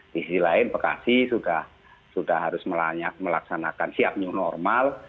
di sisi lain bekasi sudah harus melaksanakan siapnya normal